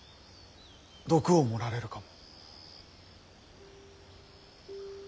毒を盛られるかも。